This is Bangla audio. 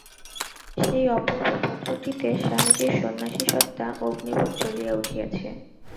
সেই অপূর্ব পত্রটিতে স্বামীজীর সন্ন্যাসী-সত্তা অগ্নিবৎ জ্বলিয়া উঠিয়াছে।